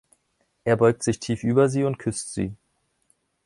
Er beugt sich tief über sie und küsst sie.